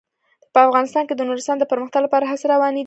په افغانستان کې د نورستان د پرمختګ لپاره هڅې روانې دي.